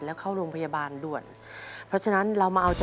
และเข้าร่วมพยาบาลร่วม